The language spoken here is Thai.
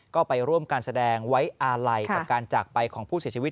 ก็ไปร่วมการแสดงไว้อาลัยกับการจากไปของผู้เสียชีวิต